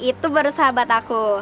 itu baru sahabat aku